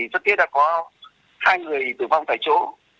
rất tiếc là có hai người tử vong tại chỗ